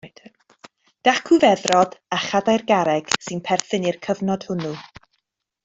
Dacw feddrod a chadair garreg sy'n perthyn i'r cyfnod hwnnw.